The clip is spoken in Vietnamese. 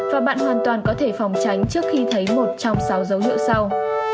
và bạn hoàn toàn có thể phòng tránh trước khi thấy một trong sáu dấu hiệu sau